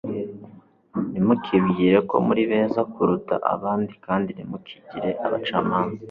Ntimukibwire ko muri beza kuruta abandi kandi ntimukigire abacamanza.